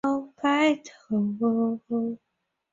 五路军队的最终目标皆为南越国的都城番禺。